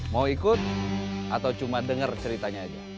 mau ikut atau cuma dengar ceritanya aja